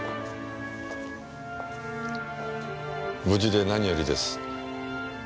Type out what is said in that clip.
無事で何よりです。